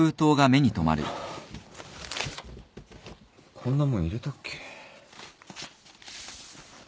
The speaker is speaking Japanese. こんなもん入れたっけ？